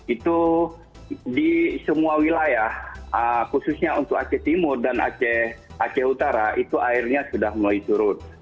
itu di semua wilayah khususnya untuk aceh timur dan aceh utara itu airnya sudah mulai surut